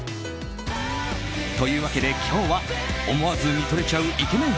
というわけで今日は思わず見とれちゃうイケメン